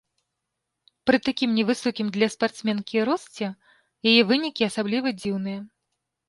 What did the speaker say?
Пры такім невысокім для спартсменкі росце яе вынікі асабліва дзіўныя.